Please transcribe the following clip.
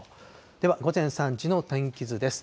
では、午前３時の天気図です。